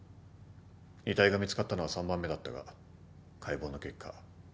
遺体が見つかったのは３番目だったが解剖の結果